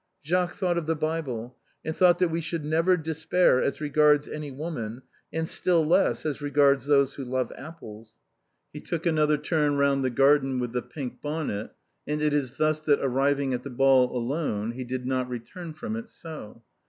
Jacques thought of the Bible, and thought that we should never despair as regards any woman, and still less as regards those who love apples. He took another turn round the garden with the pink bonnet, and it is thus that arriving, at the ball alone he did not return from it so.